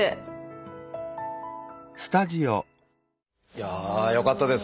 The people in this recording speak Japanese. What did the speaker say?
いやあよかったです。